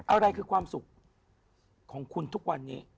อะไรคือความสุขของคุณทุกวันนี้